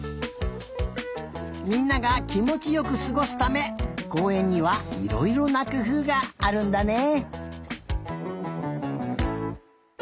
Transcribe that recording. みんながきもちよくすごすためこうえんにはいろいろなくふうがあるんだね。